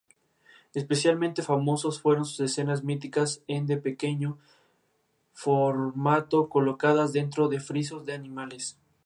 La principal actividad económica esta relacionada con la minería.